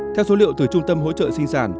theo số liệu từ trung tâm hỗ trợ sinh sản